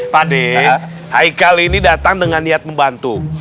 pak de haikal ini datang dengan niat membantu